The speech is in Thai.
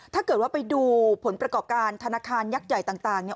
ถ้าเกิดว่าไปดูผลประกอบการธนาคารยักษ์ใหญ่ต่างเนี่ย